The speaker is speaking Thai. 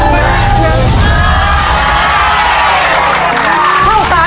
เกียรตุฐานใช่ไหม